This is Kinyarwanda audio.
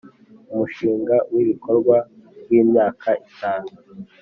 Umushinga w ibikorwa w imyaka itanu